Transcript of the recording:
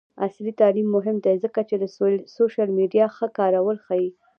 عصري تعلیم مهم دی ځکه چې د سوشل میډیا ښه کارول ښيي.